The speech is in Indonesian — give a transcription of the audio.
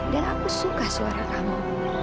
dan aku suka suara kamu